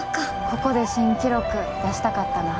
ここで新記録出したかったな。